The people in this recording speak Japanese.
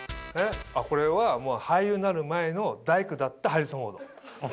これは俳優になる前の大工だったハリソン・フォード。